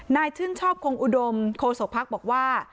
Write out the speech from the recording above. นายชื่นชอบคงอุดมโคสกพักบอกว่า